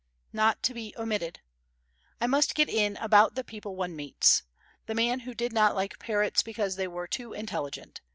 Not to be Omitted I must get in about the people one meets. The man who did not like parrots because they were too intelligent.